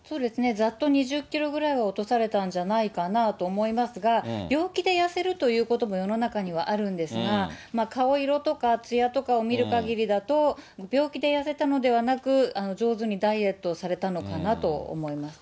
ざっと２０キロぐらいは落とされたんじゃないかなと思いますが、病気で痩せるということも世の中にはあるんですが、顔色とかつやとかを見るかぎりだと、病気で痩せたのではなく、上手にダイエットをされたのかなと思いますね。